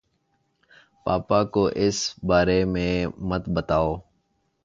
پاپا کو اِس بارے میں مت بتاؤ